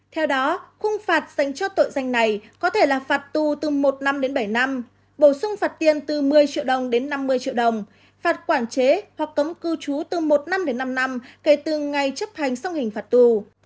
theo đó khung phạt dành cho tội danh này có thể là phạt tù từ một năm đến bảy năm bổ sung phạt tiền từ một mươi triệu đồng đến năm mươi triệu đồng phạt quản chế hoặc cấm cư trú từ một năm đến năm năm kể từ ngày chấp hành xong hình phạt tù